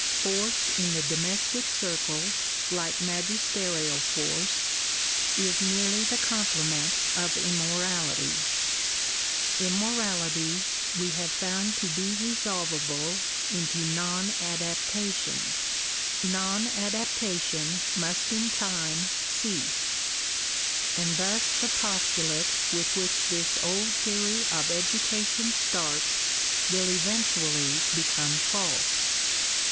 Force in the domestic circle, like magisterial force, is merely the comple ment of immorality: immorality we have found to be resolvable into non adaptation : non adaptation must in time cease : and thus the postulate with which this old theory of education starts will eventually become false.